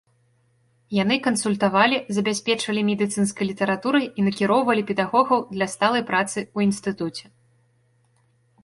Яны кансультавалі, забяспечвалі медыцынскай літаратурай і накіроўвалі педагогаў для сталай працы ў інстытуце.